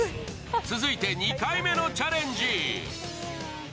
続いて２回目のチャレンジ。